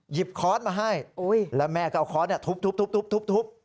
หยิบคอร์สมาให้แล้วแม่ก็เอาคอร์สทุบ